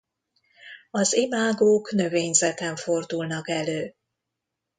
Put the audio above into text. Az imágók növényzeten fordulnak elő.